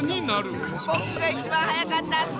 ぼくが１ばんはやかったッス！